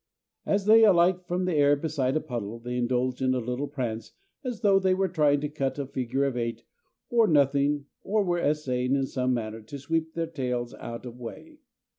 As they alight from the air beside a puddle, they indulge in a little prance as though they were trying to cut a figure of eight on nothing or were essaying in some manner to sweep their tails out of way.